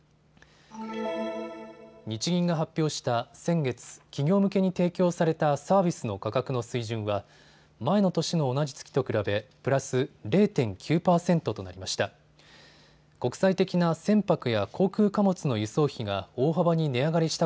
日銀が発表した先月、企業向けに提供されたサービスの価格の水準は前の年の同じ月と比べ、プラス０．９％となりました。